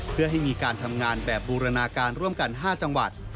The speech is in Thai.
เพื่อให้มีการทำงานแบบบูรณาการร่วมกัน๕จังหวัด